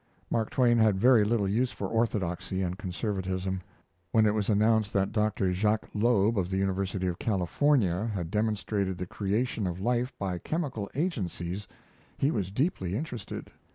Mark Twain had very little use for orthodoxy and conservatism. When it was announced that Dr. Jacques Loeb, of the University of California, had demonstrated the creation of life by chemical agencies he was deeply interested.